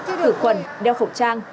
thử quần đeo khẩu trang